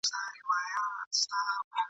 هر یو مي د زړه په خزانه کي دی منلی ..